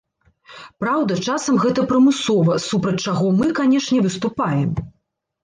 Праўда, часам гэта прымусова, супраць чаго мы, канечне, выступаем.